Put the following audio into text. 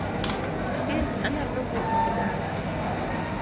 Kiny anyalo wuok dhi dala